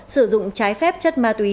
sử dụng trái phép chân ma túy